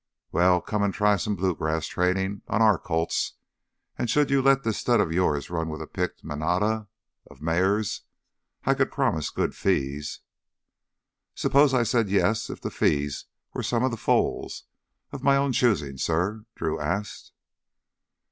"Well, come and try some blue grass training on our colts. And should you let this stud of yours run with a picked manada of mares, I could promise good fees." "Suppose I said yes if the fees were some of the foals—of my own choosing, suh?" Drew asked.